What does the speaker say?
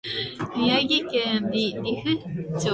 宮城県利府町